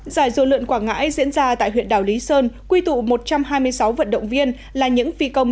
giải dù lưỡn quảng ngãi diễn ra tại huyện đảo lý sơn quy tụ một trăm hai mươi sáu vận động viên là những phi công